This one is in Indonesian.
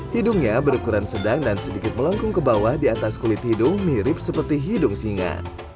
hidungnya berukuran sedang dan sedikit melengkung ke bawah di atas kulit hidung mirip seperti hidung singa